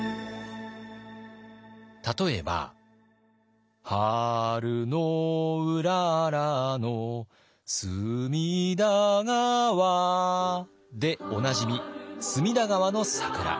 例えば「春のうららの隅田川」でおなじみ隅田川の桜。